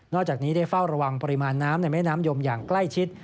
จากนี้ได้เฝ้าระวังปริมาณน้ำในแม่น้ำยมอย่างใกล้ชิด